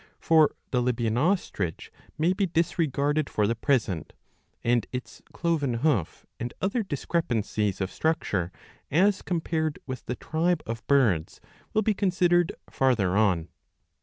^" For the Libyan ostrich may be disregarded for the present, and its cloven hoof and other discrepancies of structure as compared with the tribe of birds will be considered farther on.